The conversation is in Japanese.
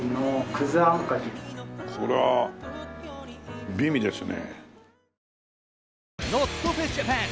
これは美味ですね。